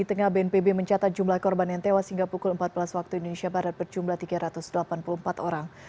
di tengah bnpb mencatat jumlah korban yang tewas hingga pukul empat belas waktu indonesia barat berjumlah tiga ratus delapan puluh empat orang